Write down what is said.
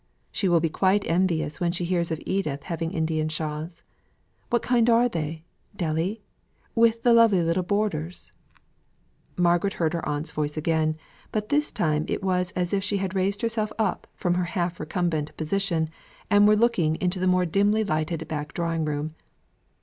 She will be quite envious when she hears of Edith having Indian shawls. What kind are they? Delhi? with the lovely little borders?" Margaret heard her aunt's voice again, but this time it was as if she had raised herself up from her half recumbent position, and were looking into the more dimly lighted back drawing room.